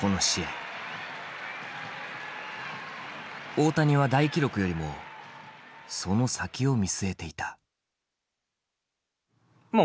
大谷は大記録よりもその先を見据えていた。